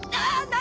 何？